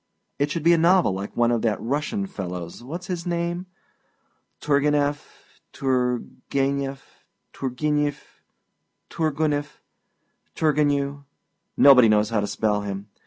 It should be a novel like one of that Russian fellowâs whatâs his name? Tourguenieff, Turguenef, Turgenif, Toorguniff, Turgenjew nobody knows how to spell him.